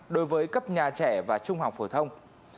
đối với cấp nhà trẻ và trung học phổ thông